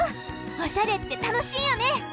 おしゃれってたのしいよね！